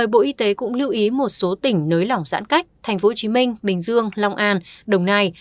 bộ y tế cũng lưu ý một số tỉnh nới lỏng giãn cách tp hcm bình dương long an đồng nai